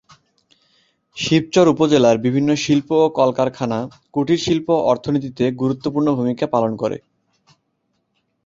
শিবচর উপজেলার বিভিন্ন শিল্প ও কলকারখানা, কুটিরশিল্প অর্থনীতিতে গুরুত্বপূর্ণ ভূমিকা পালন করে।